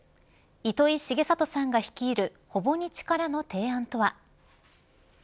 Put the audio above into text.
糸井重里さんが率いるほぼ日からの提案とは。